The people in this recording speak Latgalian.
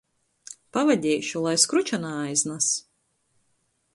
Pavadeišu, lai skruča naaiznas.